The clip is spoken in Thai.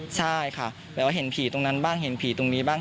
ใช่ค่ะแบบว่าเห็นผีตรงนั้นบ้างเห็นผีตรงนี้บ้าง